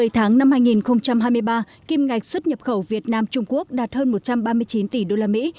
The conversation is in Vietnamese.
một mươi tháng năm hai nghìn hai mươi ba kim ngạch xuất nhập khẩu việt nam trung quốc đạt hơn một trăm ba mươi chín tỷ đô la mỹ